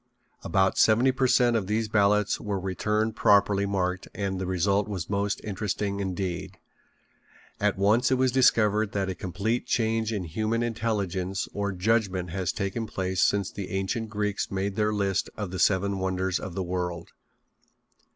About seventy per cent of these ballots were returned properly marked and the result was most interesting indeed. At once it was discovered that a complete change in human intelligence or judgment has taken place since the ancient Greeks made their list of the seven wonders of the world.